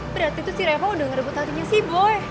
berarti tuh si reva udah ngerebut hatinya sih boy